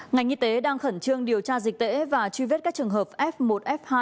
ngành y tế đang khẩn trương điều tra dịch tễ và truy vết các trường hợp f một f hai